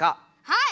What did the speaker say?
はい！